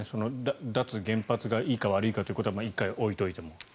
脱原発がいいか悪いかということは１回置いといても。